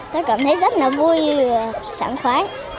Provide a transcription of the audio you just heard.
cháu cảm thấy rất là vui và sẵn khoái